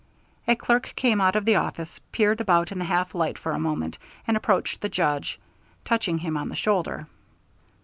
A clerk came out of the office, peered about in the half light for a moment, and approached the Judge, touching him on the shoulder.